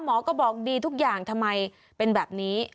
หมอก็บอกดีทุกอย่างทำไมเป็นแบบนี้